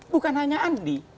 bukan hanya andi